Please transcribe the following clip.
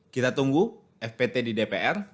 kita tunggu fpt di dpr